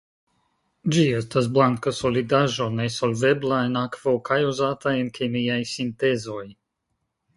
Ĝi estas blanka solidaĵo nesolvebla en akvo kaj uzata en kemiaj sintezoj.